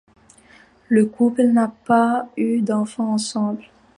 Le couple n'a pas eu d'enfants ensemble.